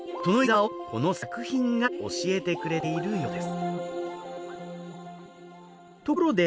その生き様をこの作品が教えてくれているようです。